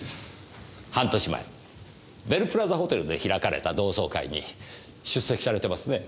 半年前ベルプラザホテルで開かれた同窓会に出席されてますね。